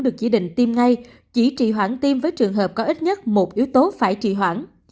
được chỉ định tiêm ngay chỉ trị hoãn tiêm với trường hợp có ít nhất một yếu tố phải trị hoãn